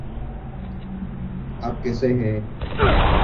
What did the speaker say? There is public house with B and B in Catworth called The Racehorse.